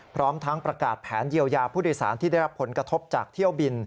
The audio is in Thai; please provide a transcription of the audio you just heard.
พร้อมทั้งประกาศแผนเยียวยาผู้โดยสารที่ได้รับผลกระทบจากเที่ยวบิน